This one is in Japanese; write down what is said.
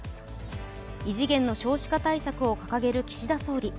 異次元の少子化対策を掲げる岸田総理。